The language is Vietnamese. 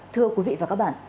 thưa quý vị và các bạn